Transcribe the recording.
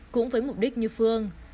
cũng với mục đích như phương